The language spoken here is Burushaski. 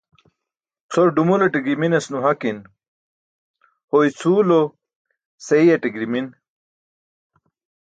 Cʰor dumulate girminas nuhakin. Ho icʰuwlo seeyaṭe girmin.